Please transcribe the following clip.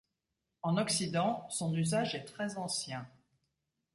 En Occident, son usage est très ancien.